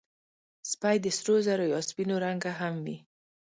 سپي د سرو زرو یا سپینو رنګه هم وي.